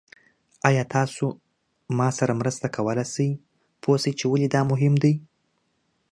ایا تاسو ما سره مرسته کولی شئ پوه شئ چې ولې دا مهم دی؟